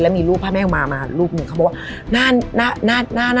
แล้วมีรูปพระแม่อุมามารูปหนึ่งเขาบอกว่า